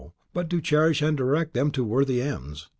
but to cherish and direct them to worthy ends.